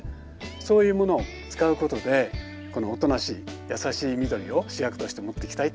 そういうものを使うことでこのおとなしい優しい緑を主役として持っていきたい。